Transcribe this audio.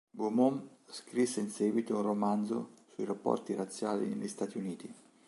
Beaumont scrisse in seguito un romanzo sui rapporti razziali negli Stati Uniti.